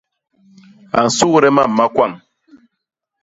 A nsugde mam ma kwañ.